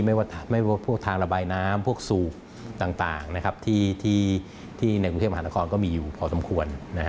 พวกทางระบายน้ำพวกสูบต่างที่ในกรุงเทพมหานครก็มีอยู่พอสมควร